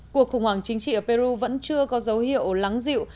cuộc khủng hoảng chính trị ở peru vẫn chưa có dấu hiệu lắng dịu